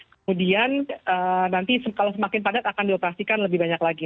kemudian nanti kalau semakin padat akan dioperasikan lebih banyak lagi